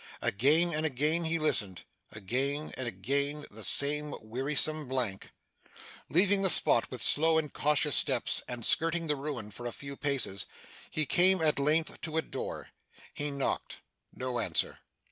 Again and again he listened; again and again the same wearisome blank. Leaving the spot with slow and cautious steps, and skirting the ruin for a few paces, he came at length to a door. He knocked. No answer.